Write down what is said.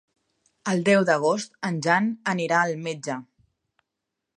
El deu d'agost en Jan anirà al metge.